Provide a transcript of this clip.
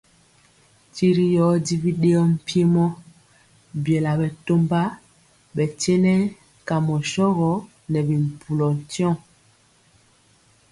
Tiri yɔ di bidɛɛɔ mpiemo biela bɛtɔmba bɛ tyenɛ kamɔ shɔgɔ nɛ bi mpulɔ tyɔŋ.